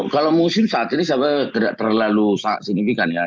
kalau musim saat ini sebenarnya tidak terlalu signifikan ya